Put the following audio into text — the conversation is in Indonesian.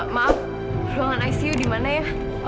maaf ruangan icu di mana ya